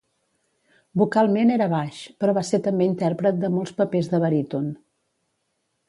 Vocalment era baix, però va ser també intèrpret de molts papers de baríton.